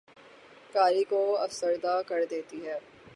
قاری کو افسردہ کر دیتی ہے